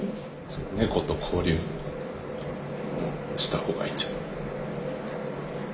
猫と交流をしたほうがいいんじゃない？